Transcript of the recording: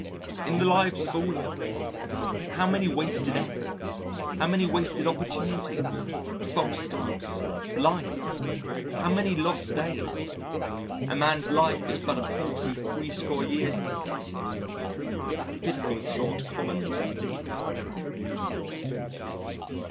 In the lives of all of us, how many wasted efforts, how many wasted opportunities, false starts, blind how many lost days and man's life is but a paltry three score years and ten: pitiful short commons indeed.